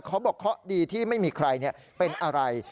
เขาบอกเคาะดีที่ไม่มีใครเป็นอะไร